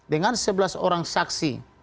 dengan sebelas orang saksi